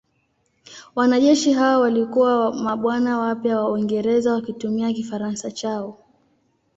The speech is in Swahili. Wanajeshi hao walikuwa mabwana wapya wa Uingereza wakitumia Kifaransa chao.